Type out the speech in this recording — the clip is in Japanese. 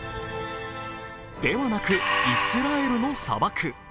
ではなく、イスラエルの砂漠。